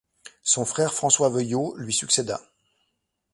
Son frère François Veuillot lui succéda.